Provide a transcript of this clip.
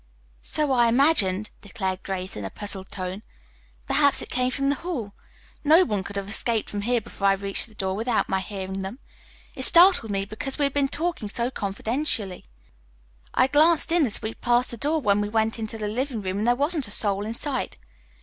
"So I imagined," declared Grace in a puzzled tone. "Perhaps it came from the hall. No one could have escaped from here before I reached the door without my hearing them. It startled me, because we had been talking so confidentially. I glanced in as we passed the door when we went into the living room and there wasn't a soul in sight.